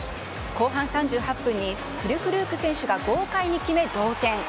後半３８分に、フュルクルークせんしゅが豪快に決め、同点。